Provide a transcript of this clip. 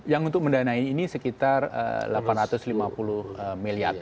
yang untuk mendanai ini sekitar delapan ratus lima puluh miliar